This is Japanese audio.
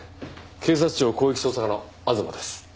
警察庁広域捜査課の東です